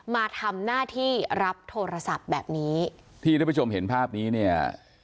มาทำหน้าที่รับโทรศัพท์แบบนี้ที่ท่านผู้ชมเห็นภาพนี้เนี่ย